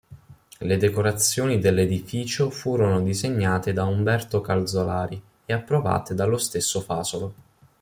Le decorazioni dell'edificio furono disegnate da Umberto Calzolari e approvate dallo stesso Fasolo.